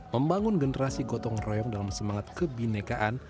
membangun generasi gotong royong dalam semangat kebinekaan